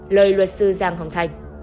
lời luật sư giang hồng thanh